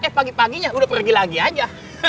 eh pagi paginya sudah pergi lagi saja